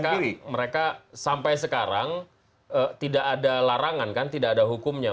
dan mereka sampai sekarang tidak ada larangan tidak ada hukumnya